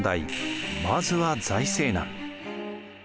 まずは財政難。